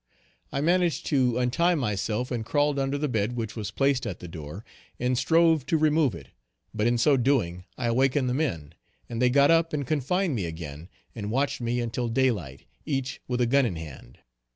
I managed to untie myself and crawled under the bed which was placed at the door, and strove to remove it, but in so doing I awakened the men and they got up and confined me again, and watched me until day light, each with a gun in hand.